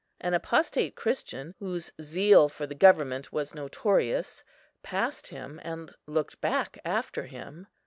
An apostate Christian, whose zeal for the government was notorious, passed him and looked back after him.